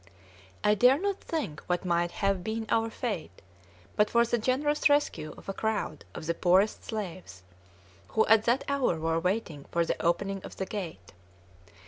I dare not think what might have been our fate, but for the generous rescue of a crowd of the poorest slaves, who at that hour were waiting for the opening of the gate.